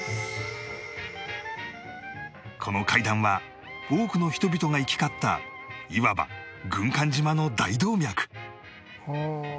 この階段は多くの人々が行き交ったいわば軍艦島の大動脈